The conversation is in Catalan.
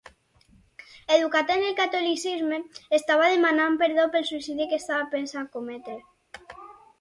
Educat en el Catolicisme, estava demanant perdó pel suïcidi que estava pensant cometre.